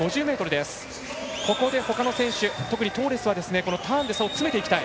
ここでほかの選手特にトーレスはターンで差を詰めていきたい。